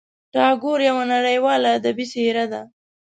ټاګور یوه نړیواله ادبي څېره ده.